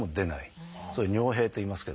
それを「尿閉」といいますけど。